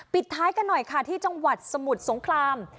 ท้ายกันหน่อยค่ะที่จังหวัดสมุทรสงคราม